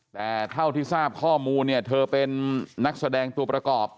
แต่เท่าที่ทราบข้อมูลเนี่ยเธอเป็นนักแสดงตัวประกอบ